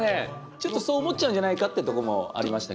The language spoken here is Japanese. ちょっとそう思っちゃうんじゃないかってとこもありましたけど。